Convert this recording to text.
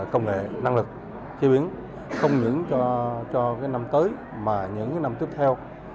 công nghệ năng lực chế biến không những cho năm tới mà những năm tiếp theo